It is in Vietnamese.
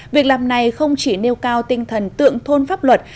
việc làm này không chỉ nêu cao tinh thần tượng thôn pháp luật